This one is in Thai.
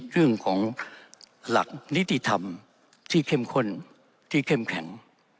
เรื่องของหลักนิติธรรมที่เข้มข้นที่เข้มแข็ง